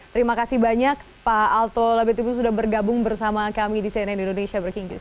terima kasih banyak pak alto labetibu sudah bergabung bersama kami di cnn indonesia breaking news